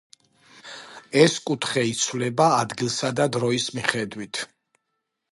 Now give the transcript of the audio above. ეს კუთხე იცვლება ადგილსა და დროის მიხედვით.